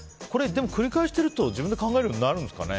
繰り返してると、自分で考えるようになるんですかね。